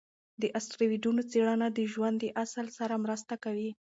د اسټروېډونو څېړنه د ژوند د اصل سره مرسته کوي.